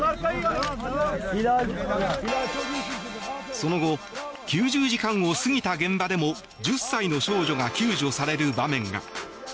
その後９０時間を過ぎた現場でも１０歳の少女が救助される場面が。